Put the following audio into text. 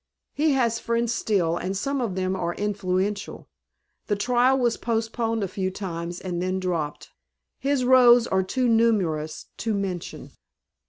He has friends still and some of them are influential. The trial was postponed a few times and then dropped. His rows are too numerous to mention.